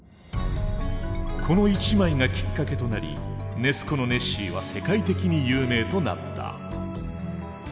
この一枚がきっかけとなりネス湖のネッシーは世界的に有名となった。